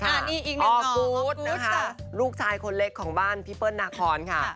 อ้าวนี่อีกหนึ่งเหรอพ่อกู๊ดนะคะลูกชายคนเล็กของบ้านพี่เปิ้ลนาคอนค่ะ